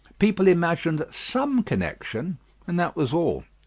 People imagined some connection, and that was all.